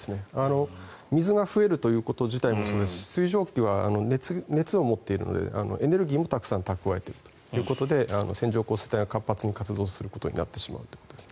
水が増えるということ自体もそうですし水蒸気は熱を持っているのでエネルギーもたくさん蓄えているということで線状降水帯が活発に活動することになってしまうということです。